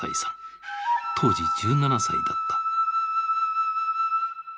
当時１７歳だった。